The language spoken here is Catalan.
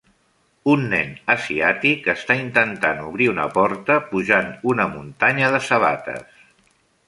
Un nen asiàtic està intentant obrir una porta pujant una muntanya de sabates.